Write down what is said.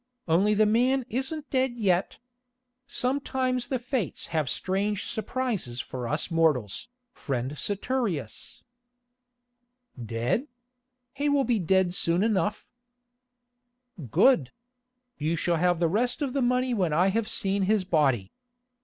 "Only the man isn't dead yet. Sometimes the Fates have strange surprises for us mortals, friend Saturius." "Dead? He will be dead soon enough." "Good. You shall have the rest of the money when I have seen his body.